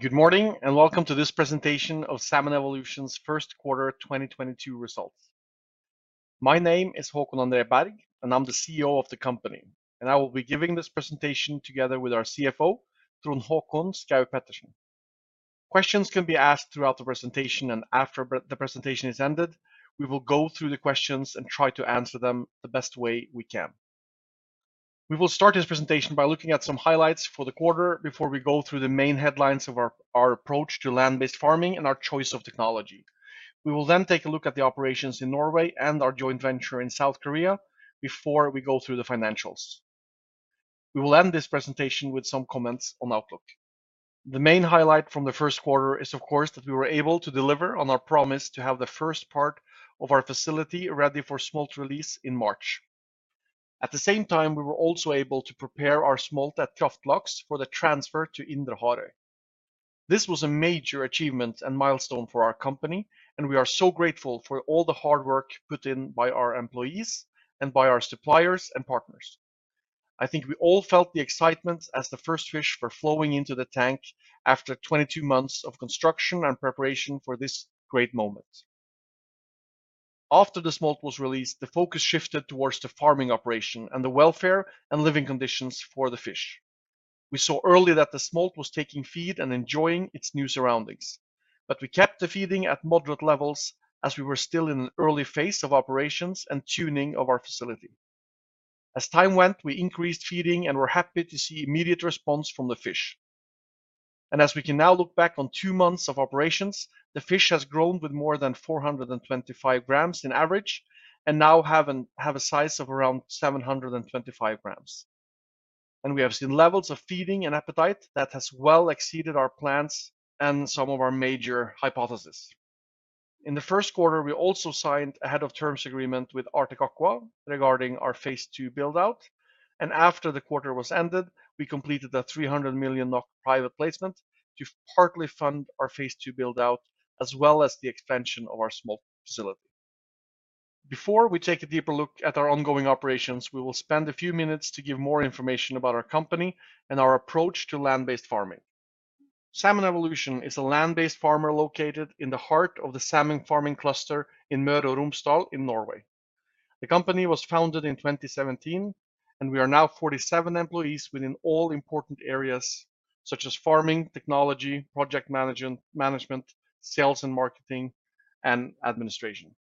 Good morning, and welcome to this presentation of Salmon Evolution's first quarter 2022 results. My name is Håkon André Berg, and I'm the CEO of the company, and I will be giving this presentation together with our CFO, Trond Håkon Schaug-Pettersen. Questions can be asked throughout the presentation, and after the presentation is ended, we will go through the questions and try to answer them the best way we can. We will start this presentation by looking at some highlights for the quarter before we go through the main headlines of our approach to land-based farming and our choice of technology. We will then take a look at the operations in Norway and our joint venture in South Korea before we go through the financials. We will end this presentation with some comments on outlook. The main highlight from the first quarter is, of course, that we were able to deliver on our promise to have the first part of our facility ready for smolt release in March. At the same time, we were also able to prepare our smolt at Kraft Laks for the transfer to Indre Harøy. This was a major achievement and milestone for our company, and we are so grateful for all the hard work put in by our employees and by our suppliers and partners. I think we all felt the excitement as the first fish were flowing into the tank after 22 months of construction and preparation for this great moment. After the smolt was released, the focus shifted towards the farming operation and the welfare and living conditions for the fish. We saw early that the smolt was taking feed and enjoying its new surroundings. We kept the feeding at moderate levels as we were still in an early phase of operations and tuning of our facility. As time went, we increased feeding and were happy to see immediate response from the fish. We can now look back on two months of operations, the fish has grown with more than 425 grams in average and now have a size of around 725 grams. We have seen levels of feeding and appetite that has well exceeded our plans and some of our major hypothesis. In the first quarter, we also signed a head of terms agreement with Arctec Aqua regarding our phase two build-out. After the quarter was ended, we completed a 300 million NOK private placement to partly fund our phase two build-out, as well as the expansion of our smolt facility. Before we take a deeper look at our ongoing operations, we will spend a few minutes to give more information about our company and our approach to land-based farming. Salmon Evolution is a land-based farmer located in the heart of the salmon farming cluster in Møre og Romsdal in Norway. The company was founded in 2017, and we are now 47 employees within all important areas, such as farming, technology, project management, sales and marketing, and administration.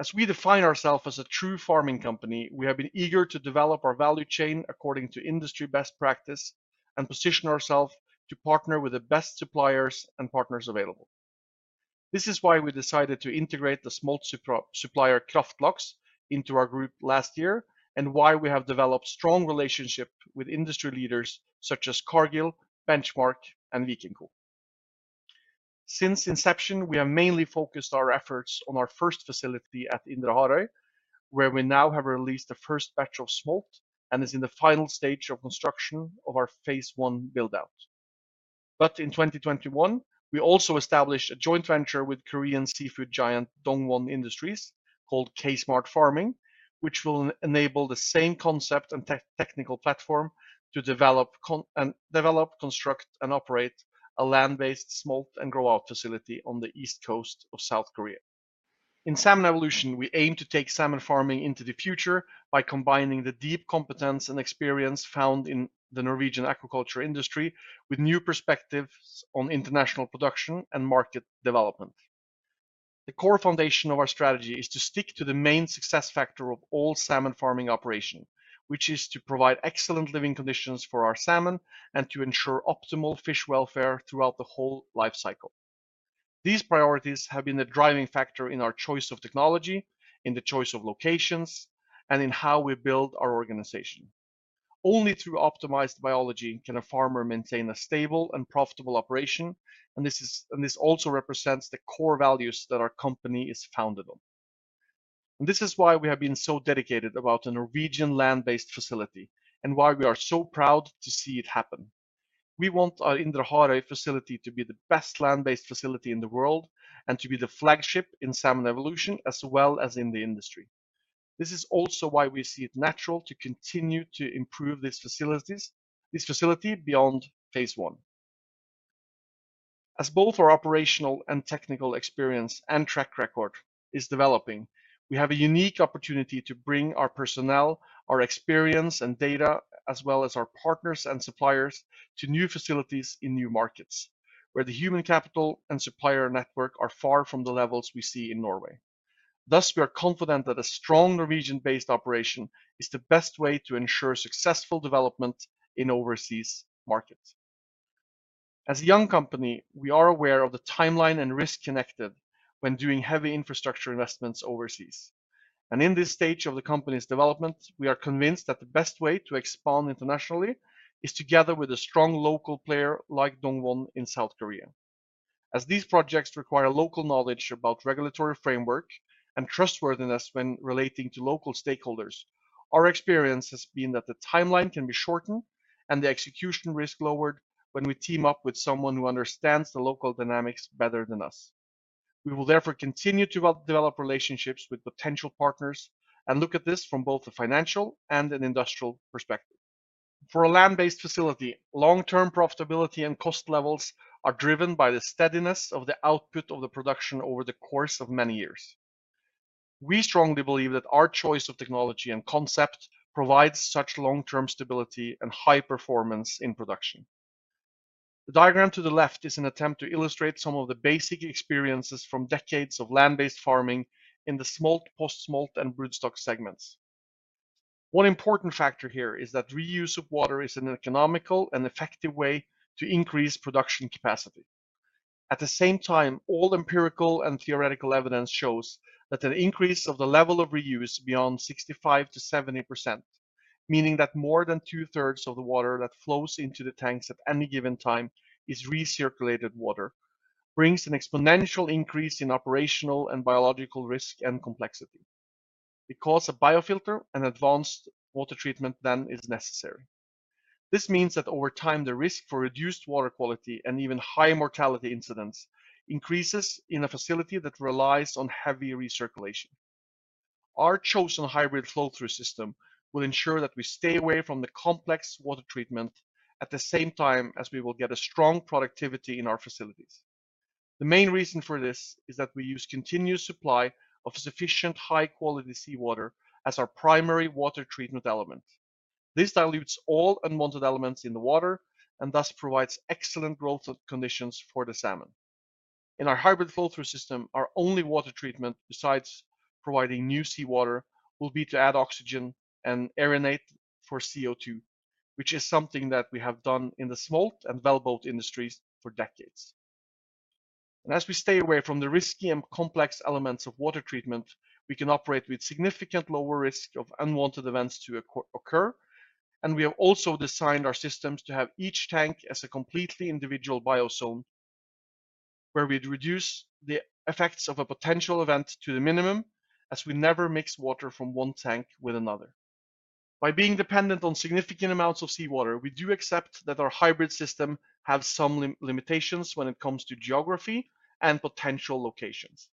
As we define ourselves as a true farming company, we have been eager to develop our value chain according to industry best practice and position ourselves to partner with the best suppliers and partners available. This is why we decided to integrate the smolt supplier Kraft Laks into our group last year and why we have developed strong relationship with industry leaders such as Cargill, Benchmark, and Vikenco. Since inception, we have mainly focused our efforts on our first facility at Indre Harøy, where we now have released the first batch of smolt and is in the final stage of construction of our phase one build-out. In 2021, we also established a joint venture with Korean seafood giant Dongwon Industries called K Smart Farming, which will enable the same concept and technical platform to develop, construct, and operate a land-based smolt and grow-out facility on the east coast of South Korea. In Salmon Evolution, we aim to take salmon farming into the future by combining the deep competence and experience found in the Norwegian aquaculture industry with new perspectives on international production and market development. The core foundation of our strategy is to stick to the main success factor of all salmon farming operation, which is to provide excellent living conditions for our salmon and to ensure optimal fish welfare throughout the whole life cycle. These priorities have been the driving factor in our choice of technology, in the choice of locations, and in how we build our organization. Only through optimized biology can a farmer maintain a stable and profitable operation, and this also represents the core values that our company is founded on. This is why we have been so dedicated about a Norwegian land-based facility and why we are so proud to see it happen. We want our Indre Harøy facility to be the best land-based facility in the world and to be the flagship in Salmon Evolution, as well as in the industry. This is also why we see it natural to continue to improve these facilities, this facility beyond phase one. As both our operational and technical experience and track record is developing, we have a unique opportunity to bring our personnel, our experience and data, as well as our partners and suppliers, to new facilities in new markets, where the human capital and supplier network are far from the levels we see in Norway. Thus, we are confident that a strong Norwegian-based operation is the best way to ensure successful development in overseas markets. As a young company, we are aware of the timeline and risk connected when doing heavy infrastructure investments overseas. In this stage of the company's development, we are convinced that the best way to expand internationally is together with a strong local player like Dongwon in South Korea. As these projects require local knowledge about regulatory framework and trustworthiness when relating to local stakeholders, our experience has been that the timeline can be shortened and the execution risk lowered when we team up with someone who understands the local dynamics better than us. We will therefore continue to develop relationships with potential partners and look at this from both a financial and an industrial perspective. For a land-based facility, long-term profitability and cost levels are driven by the steadiness of the output of the production over the course of many years. We strongly believe that our choice of technology and concept provides such long-term stability and high performance in production. The diagram to the left is an attempt to illustrate some of the basic experiences from decades of land-based farming in the smolt, post-smolt, and broodstock segments. One important factor here is that reuse of water is an economical and effective way to increase production capacity. At the same time, all empirical and theoretical evidence shows that an increase of the level of reuse beyond 65%-70%, meaning that more than two-thirds of the water that flows into the tanks at any given time is recirculated water, brings an exponential increase in operational and biological risk and complexity because a biofilter and advanced water treatment then is necessary. This means that over time, the risk for reduced water quality and even high mortality incidents increases in a facility that relies on heavy recirculation. Our chosen hybrid flow-through system will ensure that we stay away from the complex water treatment at the same time as we will get a strong productivity in our facilities. The main reason for this is that we use continuous supply of sufficient high-quality seawater as our primary water treatment element. This dilutes all unwanted elements in the water and thus provides excellent growth of conditions for the salmon. In our hybrid flow-through system, our only water treatment, besides providing new seawater, will be to add oxygen and aerate for CO2, which is something that we have done in the smolt and wellboat industries for decades. As we stay away from the risky and complex elements of water treatment, we can operate with significant lower risk of unwanted events to occur, and we have also designed our systems to have each tank as a completely individual bio zone where we'd reduce the effects of a potential event to the minimum, as we never mix water from one tank with another. By being dependent on significant amounts of seawater, we do accept that our hybrid system have some limitations when it comes to geography and potential locations.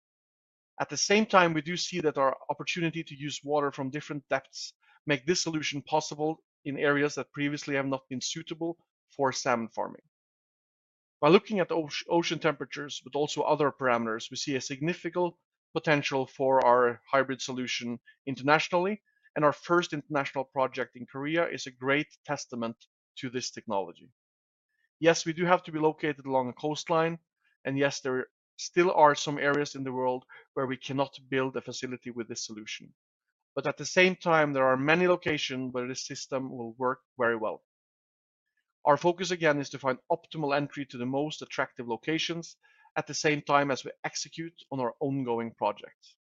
At the same time, we do see that our opportunity to use water from different depths make this solution possible in areas that previously have not been suitable for salmon farming. By looking at ocean temperatures, but also other parameters, we see a significant potential for our hybrid solution internationally, and our first international project in Korea is a great testament to this technology. Yes, we do have to be located along a coastline, and yes, there still are some areas in the world where we cannot build a facility with this solution. But at the same time, there are many locations where this system will work very well. Our focus, again, is to find optimal entry to the most attractive locations at the same time as we execute on our ongoing projects.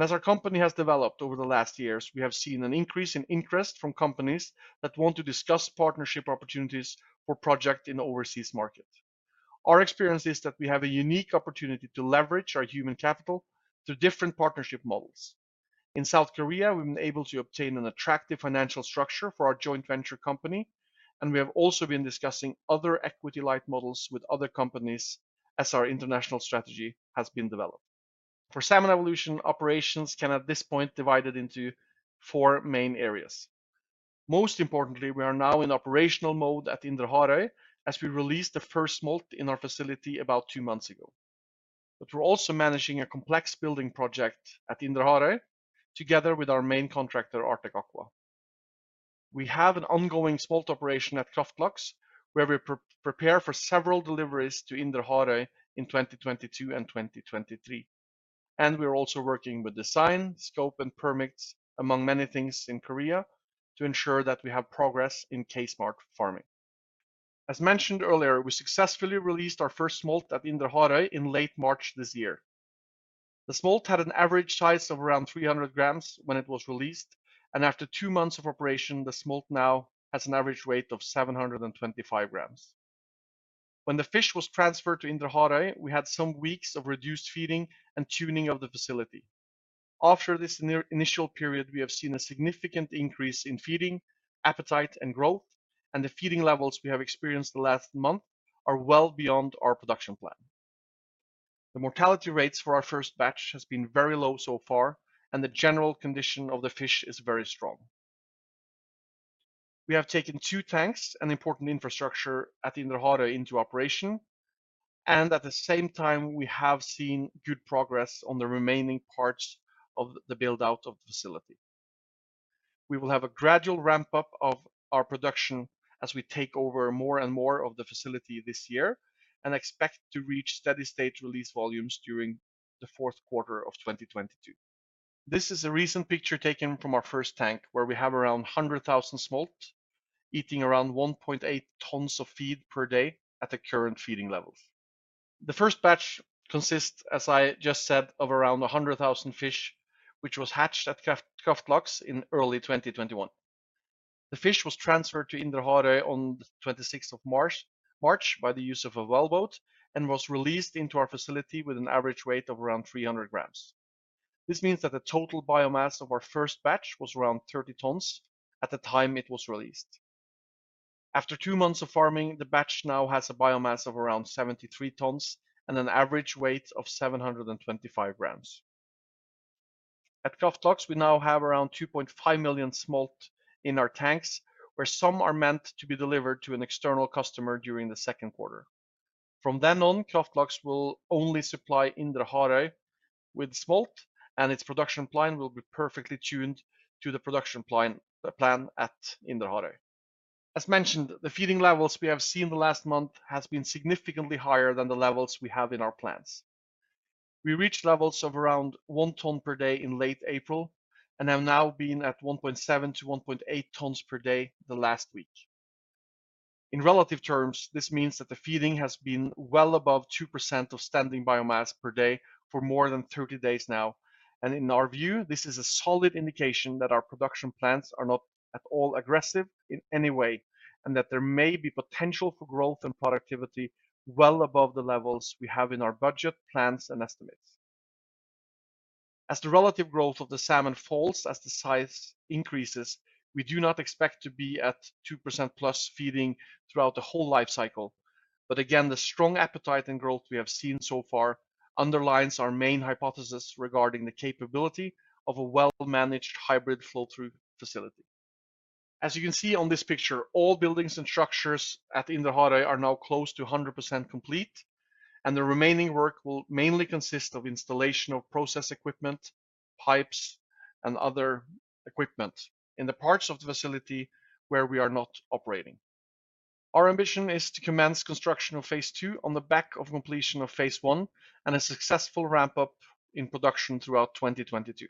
As our company has developed over the last years, we have seen an increase in interest from companies that want to discuss partnership opportunities for projects in overseas markets. Our experience is that we have a unique opportunity to leverage our human capital to different partnership models. In South Korea, we've been able to obtain an attractive financial structure for our joint venture company, and we have also been discussing other equity-light models with other companies as our international strategy has been developed. For Salmon Evolution, operations can at this point divided into four main areas. Most importantly, we are now in operational mode at Indre Harøy as we released the first smolt in our facility about two months ago. We're also managing a complex building project at Indre Harøy together with our main contractor, Artec Aqua. We have an ongoing smolt operation at Kraft Laks, where we prepare for several deliveries to Indre Harøy in 2022 and 2023. We're also working with design, scope, and permits among many things in Korea to ensure that we have progress in K Smart Farming. As mentioned earlier, we successfully released our first smolt at Indre Harøy in late March this year. The smolt had an average size of around 300 grams when it was released, and after two months of operation, the smolt now has an average weight of 725 grams. When the fish was transferred to Indre Harøy, we had some weeks of reduced feeding and tuning of the facility. After this initial period, we have seen a significant increase in feeding, appetite, and growth, and the feeding levels we have experienced the last month are well beyond our production plan. The mortality rates for our first batch has been very low so far, and the general condition of the fish is very strong. We have taken two tanks and important infrastructure at Indre Harøy into operation, and at the same time, we have seen good progress on the remaining parts of the build-out of the facility. We will have a gradual ramp-up of our production as we take over more and more of the facility this year and expect to reach steady state release volumes during the fourth quarter of 2022. This is a recent picture taken from our first tank, where we have around 100,000 smolt eating around 1.8 tons of feed per day at the current feeding levels. The first batch consists, as I just said, of around 100,000 fish, which was hatched at Kraft Laks in early 2021. The fish was transferred to Indre Harøy on the twenty-sixth of March by the use of a wellboat and was released into our facility with an average weight of around 300 grams. This means that the total biomass of our first batch was around 30 tons at the time it was released. After two months of farming, the batch now has a biomass of around 73 tons and an average weight of 725 grams. At Kraft Laks, we now have around 2.5 million smolt in our tanks, where some are meant to be delivered to an external customer during the second quarter. From then on, Kraft Laks will only supply Indre Harøy with smolt, and its production plan will be perfectly tuned to the production plan at Indre Harøy. As mentioned, the feeding levels we have seen the last month has been significantly higher than the levels we have in our plans. We reached levels of around 1 ton per day in late April and have now been at 1.7-1.8 tons per day the last week. In relative terms, this means that the feeding has been well above 2% of standing biomass per day for more than 30 days now. In our view, this is a solid indication that our production plants are not at all aggressive in any way and that there may be potential for growth and productivity well above the levels we have in our budget plans and estimates. As the relative growth of the salmon falls as the size increases, we do not expect to be at 2% plus feeding throughout the whole life cycle. Again, the strong appetite and growth we have seen so far underlines our main hypothesis regarding the capability of a well-managed hybrid flow-through facility. As you can see on this picture, all buildings and structures at Indre Harøy are now close to 100% complete, and the remaining work will mainly consist of installation of process equipment, pipes, and other equipment in the parts of the facility where we are not operating. Our ambition is to commence construction of phase two on the back of completion of phase one and a successful ramp-up in production throughout 2022.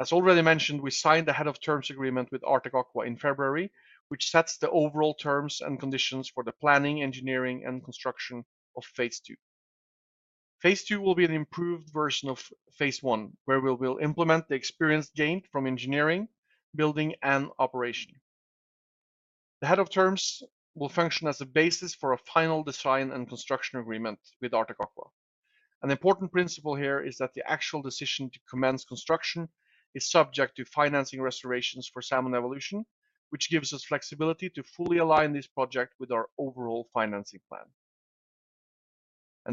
As already mentioned, we signed the head of terms agreement with Artec Aqua in February, which sets the overall terms and conditions for the planning, engineering, and construction of phase two. Phase two will be an improved version of phase one, where we will implement the experience gained from engineering, building, and operation. The head of terms will function as a basis for a final design and construction agreement with Artec Aqua. An important principle here is that the actual decision to commence construction is subject to financing arrangements for Salmon Evolution, which gives us flexibility to fully align this project with our overall financing plan.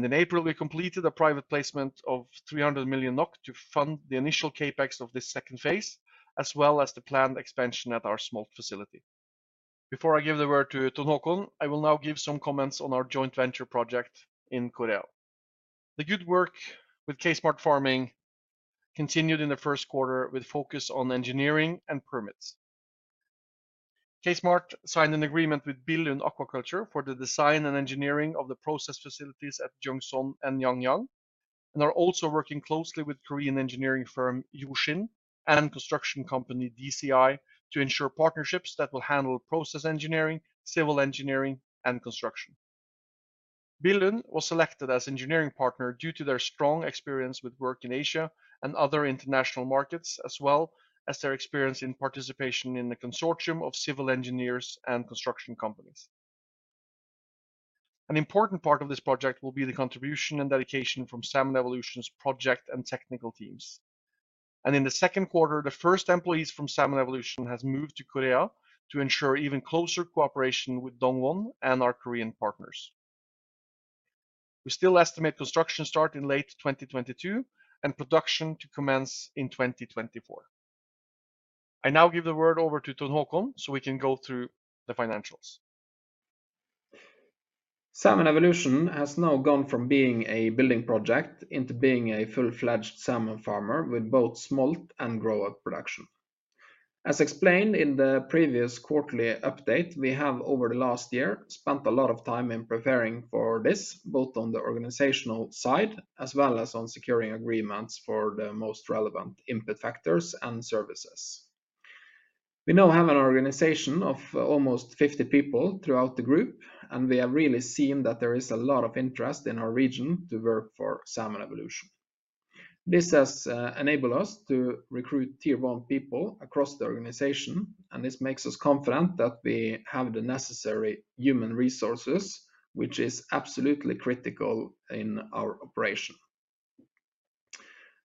In April, we completed a private placement of 300 million NOK to fund the initial CapEx of this second phase, as well as the planned expansion at our smolt facility. Before I give the word to Trond Håkon Schaug-Pettersen, I will now give some comments on our joint venture project in Korea. The good work with K Smart Farming continued in the first quarter with focus on engineering and permits. K Smart Farming signed an agreement with Billund Aquaculture for the design and engineering of the process facilities at Jeongseon and Yangyang, and are also working closely with Korean engineering firm Yooshin and construction company DCI to ensure partnerships that will handle process engineering, civil engineering, and construction. Billund was selected as engineering partner due to their strong experience with work in Asia and other international markets, as well as their experience in participation in the consortium of civil engineers and construction companies. An important part of this project will be the contribution and dedication from Salmon Evolution's project and technical teams. In the second quarter, the first employees from Salmon Evolution has moved to Korea to ensure even closer cooperation with Dongwon and our Korean partners. We still estimate construction start in late 2022 and production to commence in 2024. I now give the word over to Trond Håkon Schaug-Pettersen, so we can go through the financials. Salmon Evolution has now gone from being a building project into being a full-fledged salmon farmer with both smolt and grow-out production. As explained in the previous quarterly update, we have over the last year spent a lot of time in preparing for this, both on the organizational side as well as on securing agreements for the most relevant input factors and services. We now have an organization of almost 50 people throughout the group, and we have really seen that there is a lot of interest in our region to work for Salmon Evolution. This has enabled us to recruit tier one people across the organization, and this makes us confident that we have the necessary human resources, which is absolutely critical in our operation.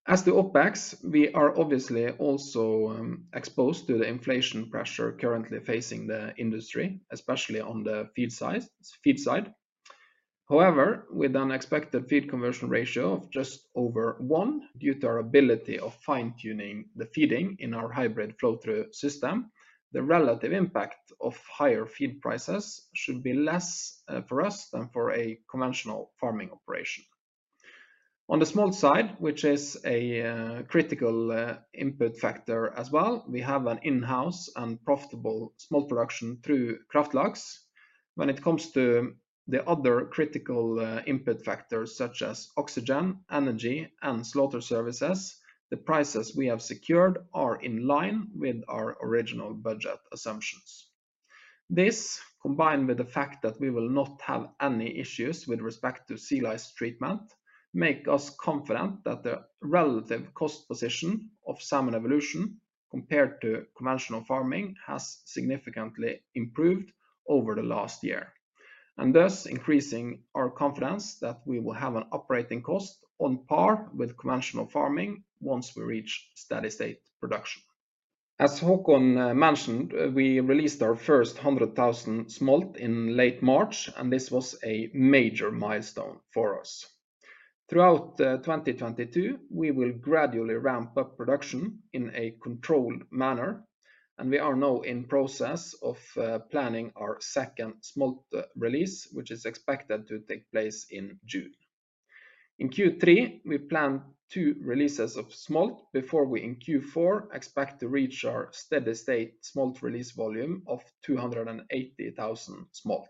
As to OpEx, we are obviously also exposed to the inflation pressure currently facing the industry, especially on the feed side. However, with an expected feed conversion ratio of just over one, due to our ability of fine-tuning the feeding in our hybrid flow-through system, the relative impact of higher feed prices should be less for us than for a conventional farming operation. On the smolt side, which is a critical input factor as well, we have an in-house and profitable smolt production through Kraft Laks. When it comes to the other critical input factors such as oxygen, energy, and slaughter services, the prices we have secured are in line with our original budget assumptions. This, combined with the fact that we will not have any issues with respect to sea lice treatment, make us confident that the relative cost position of Salmon Evolution compared to conventional farming has significantly improved over the last year, and thus increasing our confidence that we will have an operating cost on par with conventional farming once we reach steady state production. As Håkon mentioned, we released our first 100,000 smolt in late March, and this was a major milestone for us. Throughout 2022, we will gradually ramp up production in a controlled manner, and we are now in process of planning our second smolt release, which is expected to take place in June. In Q3, we plan two releases of smolt before we in Q4 expect to reach our steady-state smolt release volume of 280,000 smolt.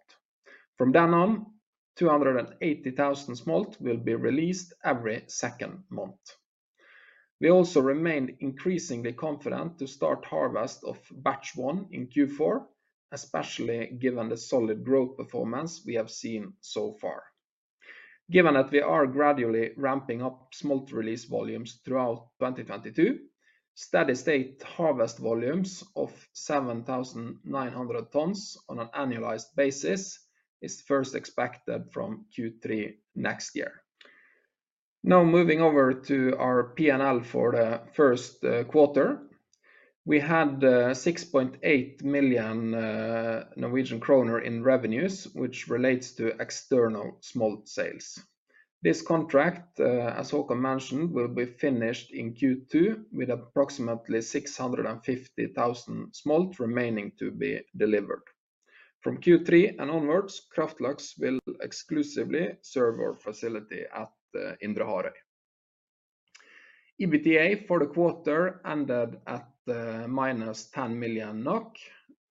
From then on, 280,000 smolt will be released every second month. We also remain increasingly confident to start harvest of batch one in Q4, especially given the solid growth performance we have seen so far. Given that we are gradually ramping up smolt release volumes throughout 2022, steady-state harvest volumes of 7,900 tons on an annualized basis is first expected from Q3 next year. Now moving over to our P&L for the first quarter. We had 6.8 million Norwegian kroner in revenues, which relates to external smolt sales. This contract, as Håkon mentioned, will be finished in Q2 with approximately 650,000 smolt remaining to be delivered. From Q3 and onwards, Kraft Laks will exclusively serve our facility at Indre Harøy. EBITDA for the quarter ended at -10 million NOK.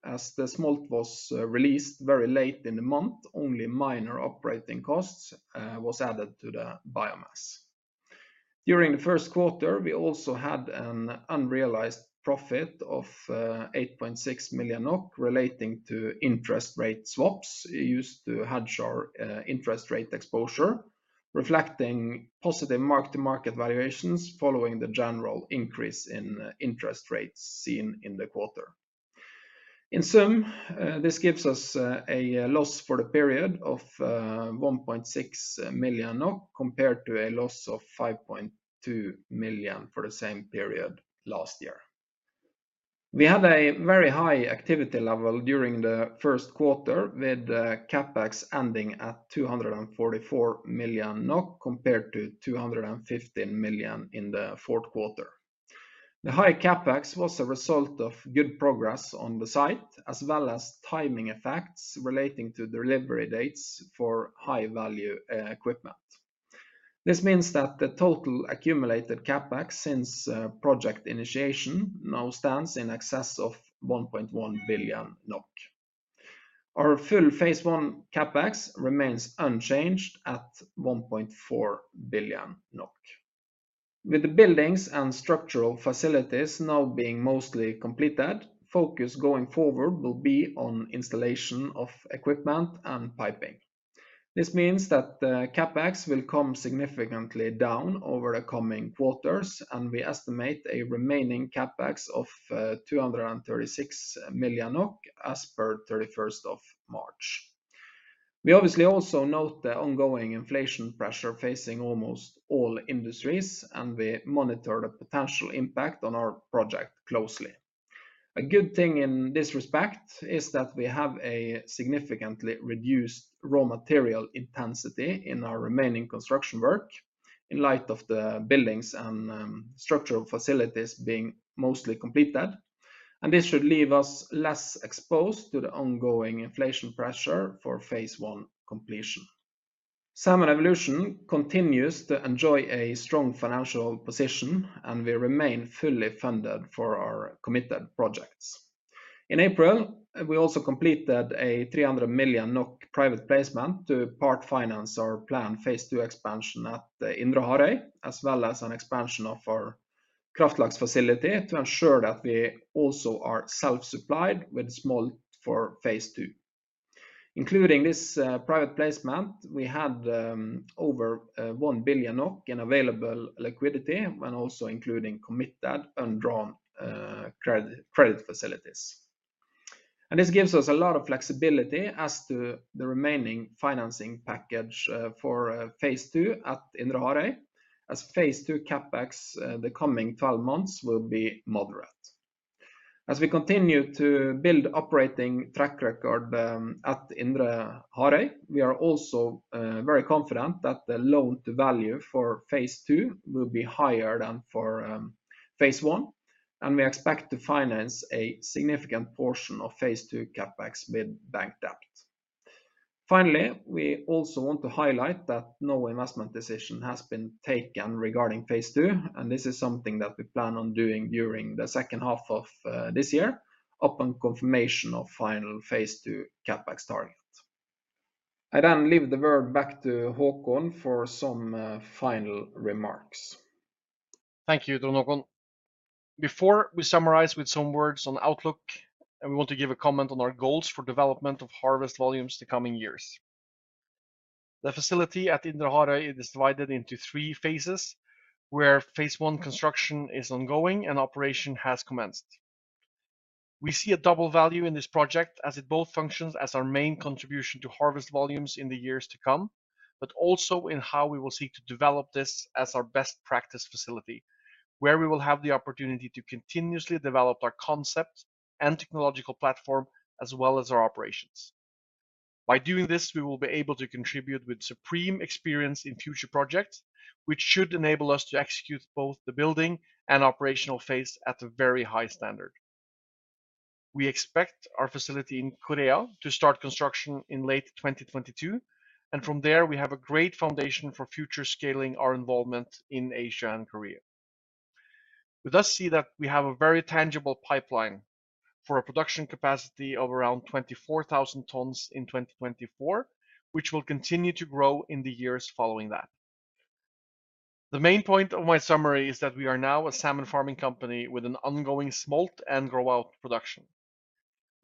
As the smolt was released very late in the month, only minor operating costs was added to the biomass. During the first quarter, we also had an unrealized profit of 8.6 million NOK relating to interest rate swaps used to hedge our interest rate exposure, reflecting positive mark-to-market valuations following the general increase in interest rates seen in the quarter. In sum, this gives us a loss for the period of 1.6 million NOK compared to a loss of 5.2 million for the same period last year. We had a very high activity level during the first quarter with CapEx ending at 244 million NOK compared to 215 million in the fourth quarter. The high CapEx was a result of good progress on the site, as well as timing effects relating to delivery dates for high-value equipment. This means that the total accumulated CapEx since project initiation now stands in excess of 1.1 billion NOK. Our full phase one CapEx remains unchanged at 1.4 billion NOK. With the buildings and structural facilities now being mostly completed, focus going forward will be on installation of equipment and piping. This means that the CapEx will come significantly down over the coming quarters, and we estimate a remaining CapEx of 236 million NOK as per March 31. We obviously also note the ongoing inflation pressure facing almost all industries, and we monitor the potential impact on our project closely. A good thing in this respect is that we have a significantly reduced raw material intensity in our remaining construction work in light of the buildings and, structural facilities being mostly completed. This should leave us less exposed to the ongoing inflation pressure for phase one completion. Salmon Evolution continues to enjoy a strong financial position, and we remain fully funded for our committed projects. In April, we also completed a 300 million NOK private placement to part-finance our planned phase two expansion at Indre Harøy, as well as an expansion of our Kraft Laks facility to ensure that we also are self-supplied with smolt for phase two. Including this private placement, we had over 1 billion NOK in available liquidity when also including committed undrawn credit facilities. This gives us a lot of flexibility as to the remaining financing package for phase two at Indre Harøy, as phase two CapEx the coming 12 months will be moderate. As we continue to build operating track record at Indre Harøy, we are also very confident that the loan-to-value for phase two will be higher than for phase one, and we expect to finance a significant portion of phase two CapEx with bank debt. Finally, we also want to highlight that no investment decision has been taken regarding phase two, and this is something that we plan on doing during the second half of this year, upon confirmation of final phase two CapEx target. I then leave the word back to Håkon for some final remarks. Thank you, Trond Håkon Schaug-Pettersen. Before we summarize with some words on outlook, we want to give a comment on our goals for development of harvest volumes the coming years. The facility at Indre Harøy is divided into three phases, where phase one construction is ongoing and operation has commenced. We see a double value in this project as it both functions as our main contribution to harvest volumes in the years to come, but also in how we will seek to develop this as our best practice facility, where we will have the opportunity to continuously develop our concept and technological platform as well as our operations. By doing this, we will be able to contribute with supreme experience in future projects, which should enable us to execute both the building and operational phase at a very high standard. We expect our facility in Korea to start construction in late 2022, and from there, we have a great foundation for future scaling our involvement in Asia and Korea. We thus see that we have a very tangible pipeline for a production capacity of around 24,000 tons in 2024, which will continue to grow in the years following that. The main point of my summary is that we are now a salmon farming company with an ongoing smolt and grow-out production.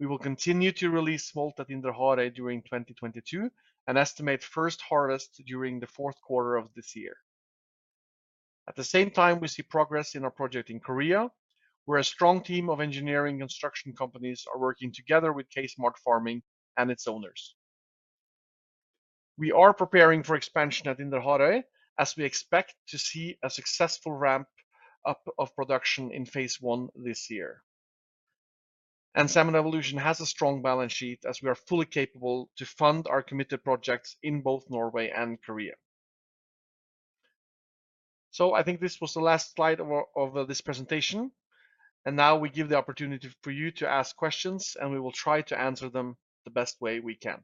We will continue to release smolt at Indre Harøy during 2022 and estimate first harvest during the fourth quarter of this year. At the same time, we see progress in our project in Korea, where a strong team of engineering construction companies are working together with K Smart Farming and its owners. We are preparing for expansion at Indre Harøy as we expect to see a successful ramp up of production in phase one this year. Salmon Evolution has a strong balance sheet as we are fully capable to fund our committed projects in both Norway and Korea. I think this was the last slide of this presentation, and now we give the opportunity for you to ask questions, and we will try to answer them the best way we can.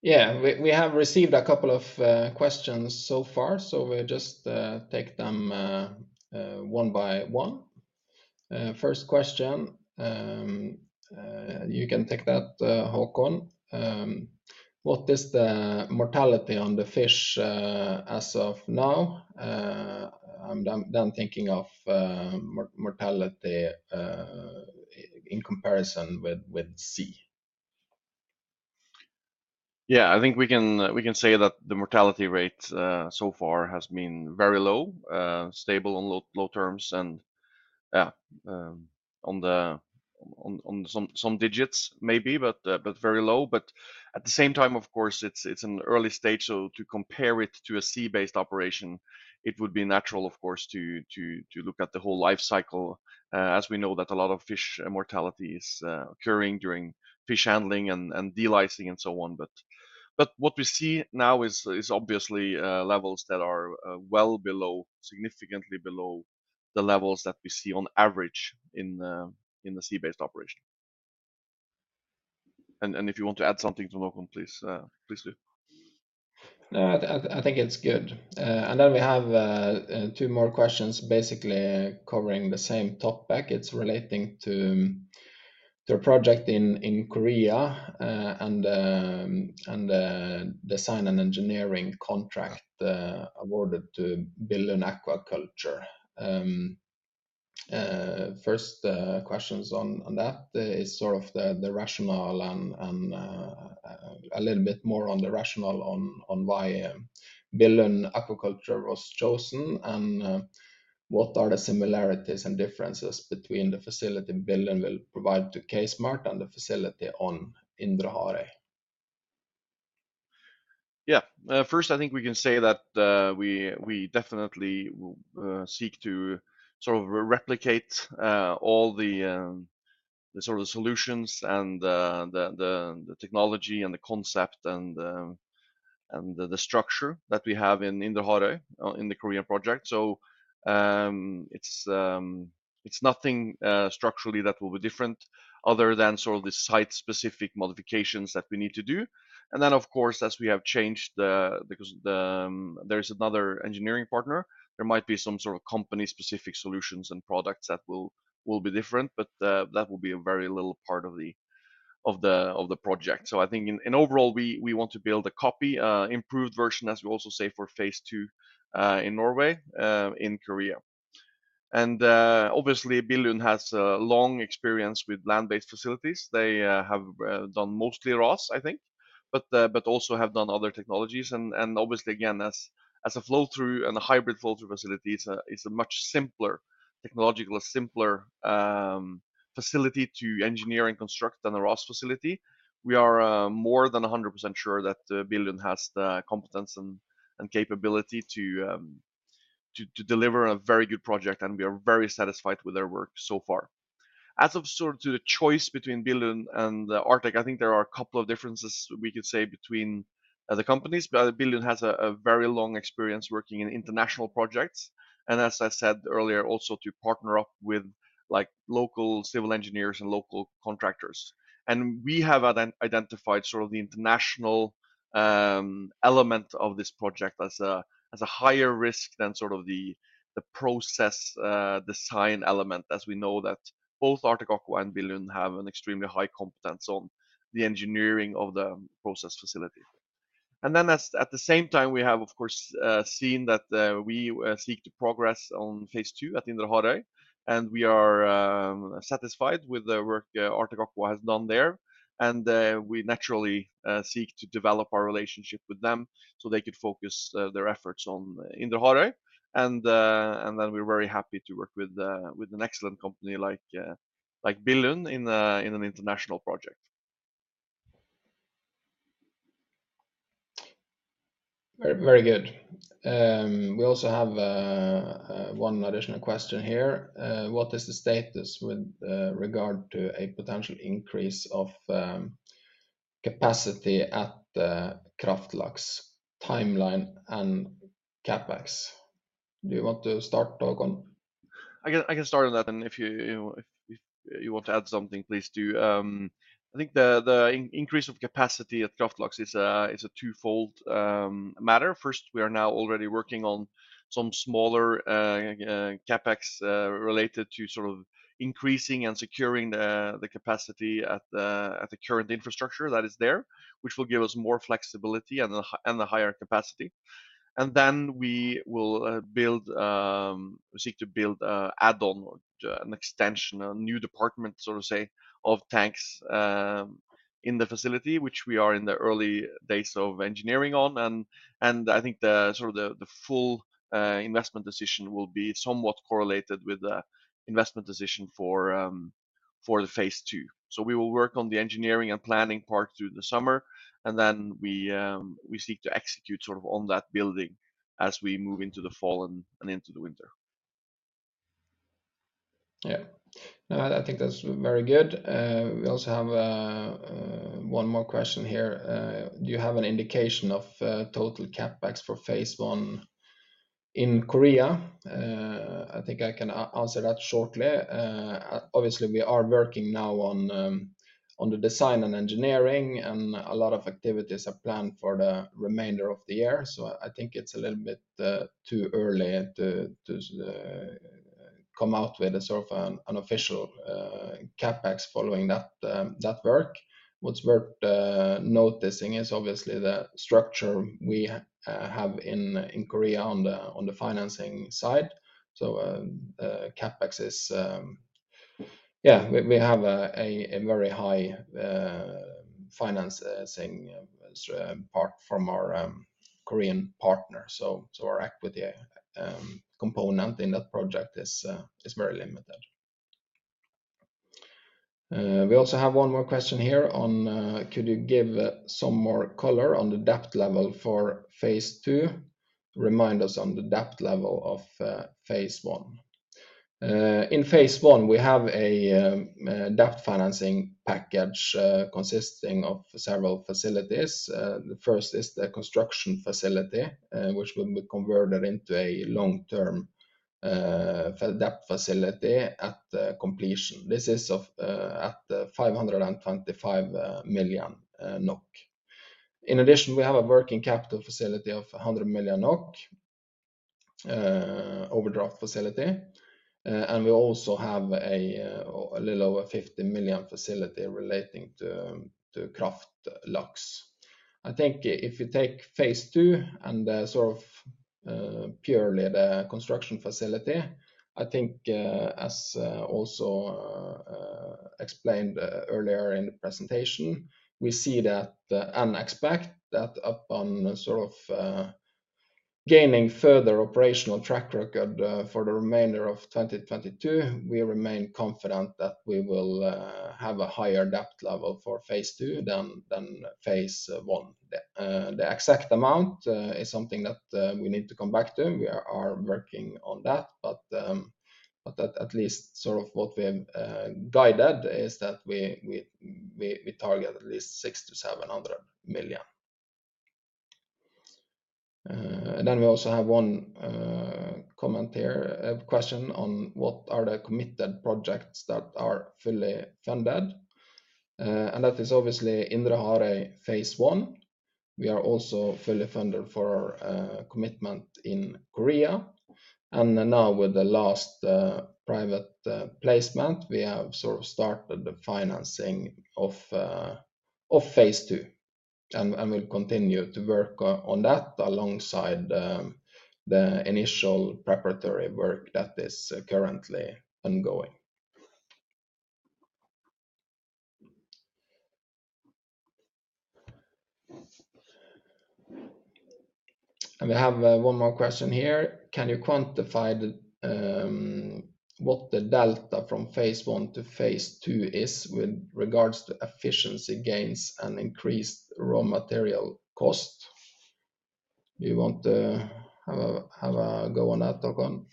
Yeah. We have received a couple of questions so far, so we'll just take them one by one. First question, you can take that, Håkon. What is the mortality on the fish as of now? I'm then thinking of mortality in comparison with sea. I think we can say that the mortality rate so far has been very low, stable on low terms, and on some digits maybe, but very low. At the same time, of course, it's an early stage, so to compare it to a sea-based operation, it would be natural, of course, to look at the whole life cycle, as we know that a lot of fish mortality is occurring during fish handling and delicing and so on. What we see now is obviously levels that are well below, significantly below the levels that we see on average in the sea-based operation. If you want to add something to Håkon, please do. No, I think it's good. Then we have two more questions basically covering the same topic. It's relating to the project in Korea and design and engineering contract awarded to Billund Aquaculture. First questions on that is sort of the rationale and a little bit more on the rationale on why Billund Aquaculture was chosen and what are the similarities and differences between the facility Billund will provide to K Smart Farming and the facility on Indre Harøy? Yeah. First, I think we can say that we definitely will seek to sort of replicate all the sort of solutions and the technology and the concept and the structure that we have in Indre Harøy in the Korean project. It's nothing structurally that will be different other than sort of the site-specific modifications that we need to do. Of course, because there's another engineering partner, there might be some sort of company-specific solutions and products that will be different, but that will be a very little part of the project. I think in overall, we want to build a copy, improved version, as we also say for phase two, in Norway, in Korea. Obviously Billund has a long experience with land-based facilities. They have done mostly RAS, I think, but also have done other technologies. Obviously, again, as a flow-through and a hybrid flow-through facility, it's a much simpler, technologically simpler, facility to engineer and construct than a RAS facility. We are more than 100% sure that Billund has the competence and capability to deliver a very good project, and we are very satisfied with their work so far. As for the choice between Billund and Arctic, I think there are a couple of differences we could say between the companies. Billund has a very long experience working in international projects, and as I said earlier, also to partner up with, like, local civil engineers and local contractors. We have identified sort of the international element of this project as a higher risk than sort of the process design element, as we know that both Artec Aqua and Billund have an extremely high competence on the engineering of the process facility. And at the same time, we have of course seen that we seek to progress on phase two at Indre Harøy, and we are satisfied with the work Artec Aqua has done there. We naturally seek to develop our relationship with them so they could focus their efforts on Indre Harøy. We're very happy to work with an excellent company like Billund in an international project. Very, very good. We also have one additional question here. What is the status with regard to a potential increase of capacity at Kraft Laks timeline and CapEx? Do you want to start, Trond Håkon Schaug-Pettersen? I can start on that, and if you want to add something, please do. I think the increase of capacity at Kraft Laks is a twofold matter. First, we are now already working on some smaller CapEx related to sort of increasing and securing the capacity at the current infrastructure that is there, which will give us more flexibility and the higher capacity. Then we will seek to build an add-on or an extension, a new department, so to say, of tanks in the facility, which we are in the early days of engineering on. I think sort of the full investment decision will be somewhat correlated with the investment decision for the phase two. We will work on the engineering and planning part through the summer, and then we seek to execute sort of on that building as we move into the fall and into the winter. Yeah. No, I think that's very good. We also have one more question here. Do you have an indication of total CapEx for phase one in Korea? I think I can answer that shortly. Obviously we are working now on the design and engineering, and a lot of activities are planned for the remainder of the year. I think it's a little bit too early to come out with a sort of an official CapEx following that work. What's worth noticing is obviously the structure we have in Korea on the financing side. CapEx is. Yeah, we have a very high financing sort of part from our Korean partner. Our equity component in that project is very limited. We also have one more question here on could you give some more color on the debt level for phase two. Remind us on the debt level of phase one. In phase one, we have a debt financing package consisting of several facilities. The first is the construction facility, which will be converted into a long-term debt facility at completion. This is of 525 million NOK. In addition, we have a working capital facility of 100 million NOK, overdraft facility. We also have a little over 50 million facility relating to Kraft Laks. I think if you take phase two and sort of purely the construction facility, I think as also explained earlier in the presentation, we see that and expect that upon sort of gaining further operational track record for the remainder of 2022, we remain confident that we will have a higher debt level for phase two than phase one. The exact amount is something that we need to come back to. We are working on that. At least sort of what we have guided is that we target at least 600-700 million. We also have one comment here, a question on what are the committed projects that are fully funded? That is obviously Indre Harøy phase one. We are also fully funded for our commitment in Korea. Now with the last private placement, we have sort of started the financing of phase two. We'll continue to work on that alongside the initial preparatory work that is currently ongoing. We have one more question here. Can you quantify what the delta from phase one to phase two is with regards to efficiency gains and increased raw material cost? Do you want to have a go on that, Trond Håkon Schaug-Pettersen?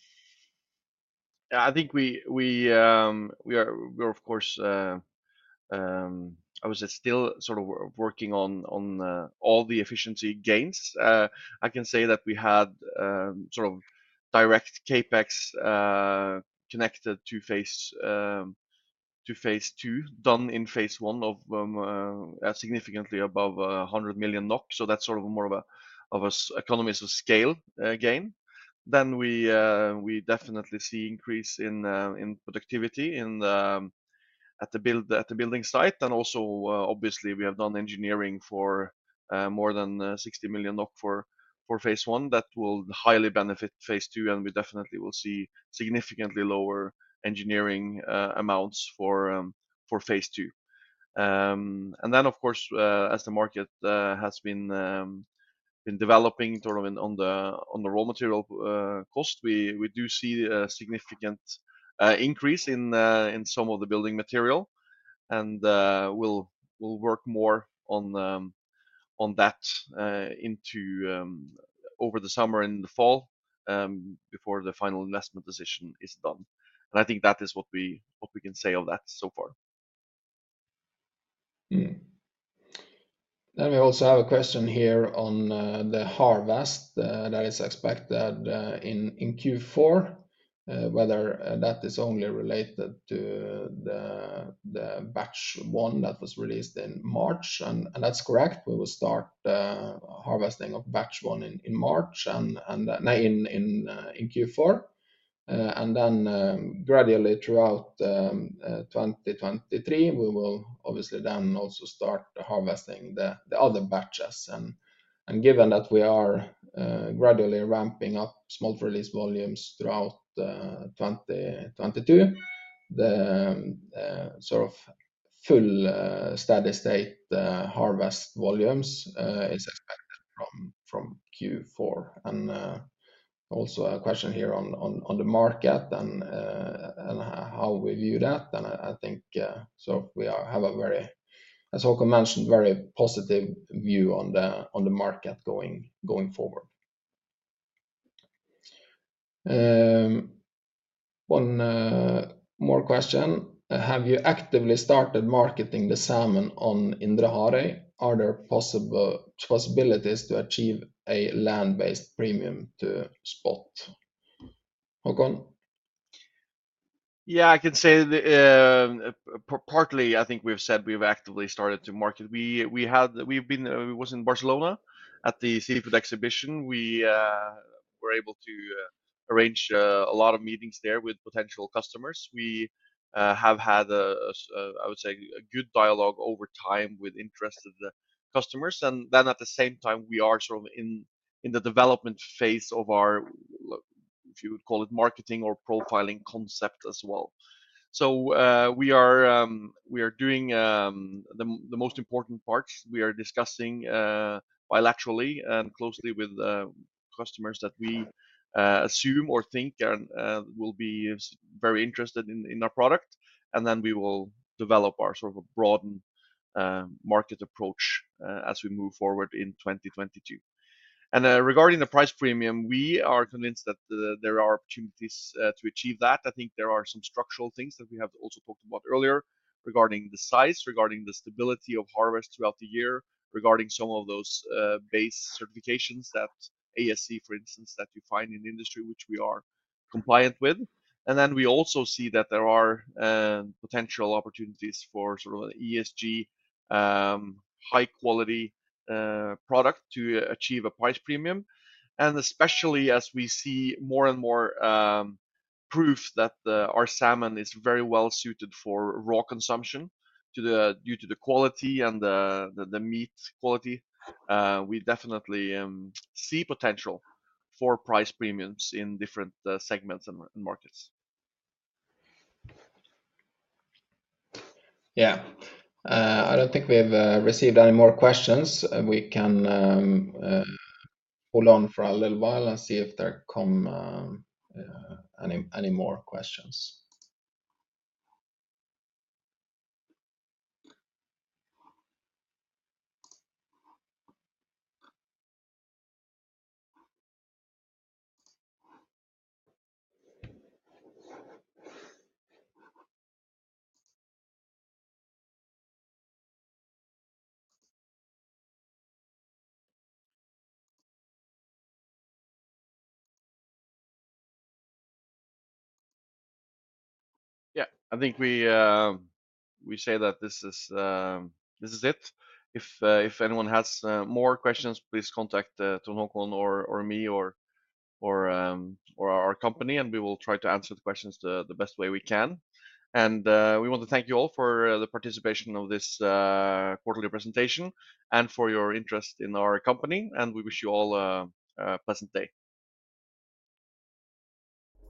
I think we are of course obviously still sort of working on all the efficiency gains. I can say that we had sort of direct CapEx connected to phase two done in phase one of significantly above 100 million NOK. That's sort of more of a economies of scale gain. We definitely see increase in productivity at the building site. Also obviously we have done engineering for more than 60 million for phase one. That will highly benefit phase two, and we definitely will see significantly lower engineering amounts for phase two. Of course, as the market has been developing sort of on the raw material cost, we do see a significant increase in some of the building material. We'll work more on that over the summer and the fall before the final investment decision is done. I think that is what we can say of that so far. Mm-hmm. Then we also have a question here on the harvest that is expected in Q4 whether that is only related to the batch one that was released in March. That's correct. We will start harvesting of batch one in March and in Q4. Then gradually throughout 2023, we will obviously then also start harvesting the other batches. Given that we are gradually ramping up smolt release volumes throughout 2022, the sort of full steady state harvest volumes is expected from Q4. Also a question here on the market and how we view that. I think we have a very, as Håkon mentioned, very positive view on the market going forward. One more question. Have you actively started marketing the salmon on Indre Harøy? Are there possibilities to achieve a land-based premium to spot? Håkon? Yeah. I can say that partly, I think we've said we've actively started to market. We've been in Barcelona at the Seafood Exhibition. We were able to arrange a lot of meetings there with potential customers. We have had, I would say, a good dialogue over time with interested customers. At the same time, we are sort of in the development phase of our, if you would call it, marketing or profiling concept as well. We are doing the most important parts. We are discussing bilaterally and closely with customers that we assume or think will be very interested in our product. We will develop our sort of a broadened market approach as we move forward in 2022. Regarding the price premium, we are convinced that there are opportunities to achieve that. I think there are some structural things that we have also talked about earlier regarding the size, regarding the stability of harvest throughout the year, regarding some of those base certifications that ASC, for instance, that you find in industry, which we are compliant with. We also see that there are potential opportunities for sort of an ESG high quality product to achieve a price premium. Especially as we see more and more proof that our salmon is very well suited for raw consumption due to the quality and the meat quality, we definitely see potential for price premiums in different segments and markets. Yeah. I don't think we have received any more questions. We can hold on for a little while and see if there come any more questions. Yeah. I think we say that this is it. If anyone has more questions, please contact to Håkon or me or our company, and we will try to answer the questions the best way we can. We want to thank you all for the participation of this quarterly presentation and for your interest in our company, and we wish you all a pleasant day.